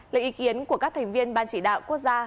lấy ý kiến của các thành viên ban chỉ đạo quốc gia